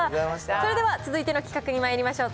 それでは続いての企画にまいりましょう。